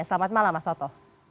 selamat malam mas soto